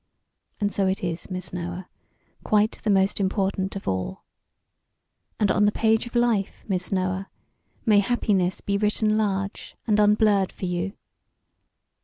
And so it is, Miss Noah, quite the most important of all. And on the page of life, Miss Noah, may happiness be written large and unblurred for you.